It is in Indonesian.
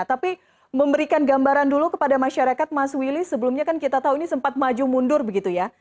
tapi memberikan gambaran dulu kepada masyarakat mas willy sebelumnya kan kita tahu ini sempat maju mundur begitu ya